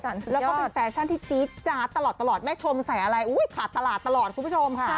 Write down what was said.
แล้วก็เป็นแฟชั่นที่จี๊ดจาดตลอดแม่ชมใส่อะไรขาดตลาดตลอดคุณผู้ชมค่ะ